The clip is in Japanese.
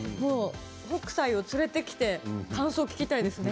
北斎を連れてきて感想を聞きたいですね。